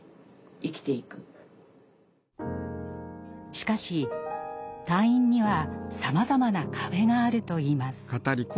しかし、退院にはさまざまな壁があるといいます。